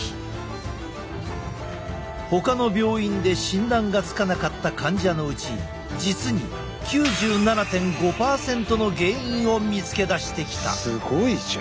ほかの病院で診断がつかなかった患者のうち実に９７．５％の原因を見つけ出してきた。